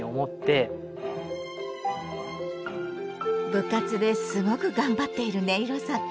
部活ですごく頑張っているねいろさん。